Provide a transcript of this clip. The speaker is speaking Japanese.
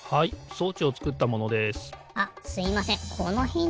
装置を作ったものです。